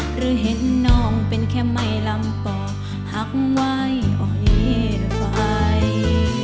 หรือเห็นน้องเป็นแค่ไม่ลำป่อหักไว้อ๋อเห็นไหม